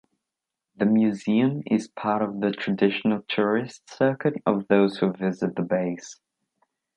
The museum is part of the traditional tourist circuit of those who visit the base.